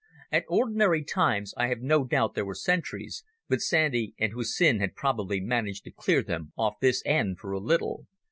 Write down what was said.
At ordinary times I have no doubt there were sentries, but Sandy and Hussin had probably managed to clear them off this end for a little.